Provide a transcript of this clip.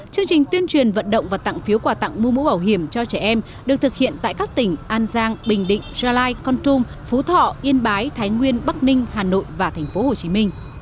chương trình tuyên truyền vận động và tặng phiếu quà tặng mũ mũ bảo hiểm cho trẻ em được thực hiện tại các tỉnh an giang bình định gia lai con trung phú thọ yên bái thái nguyên bắc ninh hà nội và tp hcm